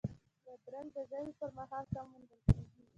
بادرنګ د ژمي پر مهال کم موندل کېږي.